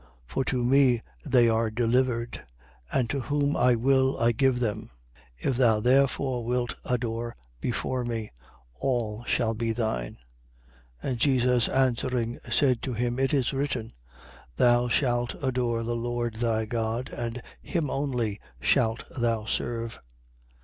For to me they are delivered: and to whom I will, I give them. 4:7. If thou therefore wilt adore before me, all shall be thine. 4:8. And Jesus answering said to him. It is written: Thou shalt adore the Lord thy God, and him only shalt thou serve.